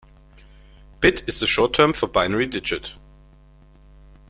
Bit is the short term for binary digit.